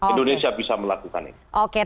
indonesia bisa melakukan ini